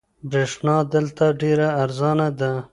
برېښنا دلته ډېره ارزانه ده.